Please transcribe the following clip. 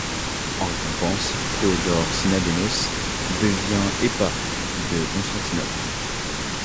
En récompense, Théodore Synadénos devient éparque de Constantinople.